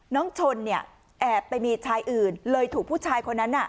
น้องชนเนี่ยแอบไปมีชายอื่นเลยถูกผู้ชายคนนั้นน่ะ